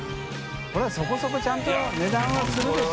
海譴そこそこちゃんと値段はするでしょ。